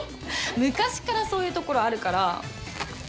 昔っからそういうところあるから。